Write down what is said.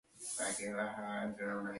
Ambos planearon tomar la ciudad de Cuenca.